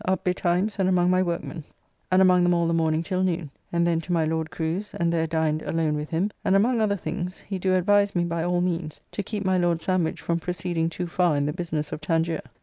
Up betimes and among my workmen, and among them all the morning till noon, and then to my Lord Crew's, and there dined alone with him, and among other things he do advise me by all means to keep my Lord Sandwich from proceeding too far in the business of Tangier.